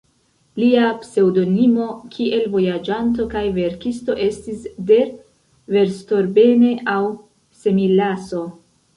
Lia pseŭdonimo kiel vojaĝanto kaj verkisto estis "Der Verstorbene" aŭ "Semilasso".